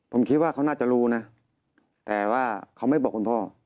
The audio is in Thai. ผมคิดว่าเขาน่าจะรู้นะแต่ว่าเขาไม่บอกคุณพ่อ